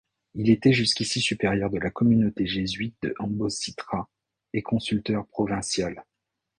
Il était jusqu’ici Supérieur de la Communauté jésuite de Ambositra et Consulteur provincial.